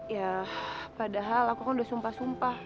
ya padahal aku kan udah sumpah sumpah